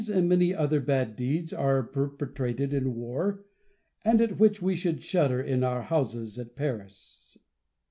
and many other bad deeds are perpetrated in war, at which we should shudder in our houses at Paris. Louis.